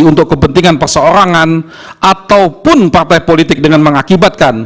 untuk kepentingan perseorangan ataupun partai politik dengan mengakibatkan